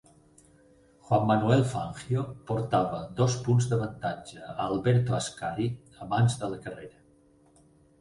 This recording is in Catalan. Juan Manuel Fangio portava dos punts d'avantatge a Alberto Ascari abans de la carrera.